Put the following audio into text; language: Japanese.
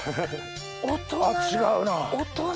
あっ違うな。